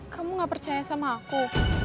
kamu gak percaya sama aku